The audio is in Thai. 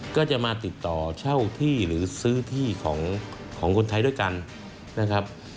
ก็จะมาติดต่อเช่าที่หรือซื้อที่ของคนไทยด้วยกันนะครับ